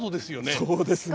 そうですね。